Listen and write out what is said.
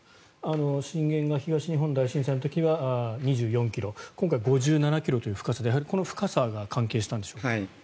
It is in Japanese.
震源が東日本大震災の時は２４ｋｍ今回５７ｋｍという深さでやはりこの深さが関係したんでしょうか？